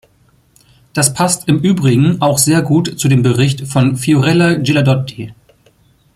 Das passt im übrigen auch sehr gut zu dem Bericht von Fiorella Ghilardotti.